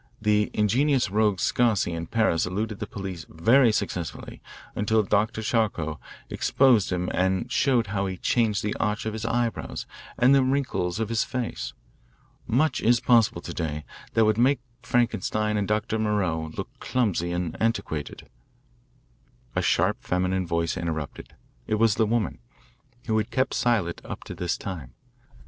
The ingenious rogue Sarcey in Paris eluded the police very successfully until Dr. Charcot exposed him and showed how he changed the arch of his eyebrows and the wrinkles of his face. Much is possible to day that would make Frankenstein and Dr. Moreau look clumsy and antiquated." A sharp feminine voice interrupted. It was the woman, who had kept silent up to this time.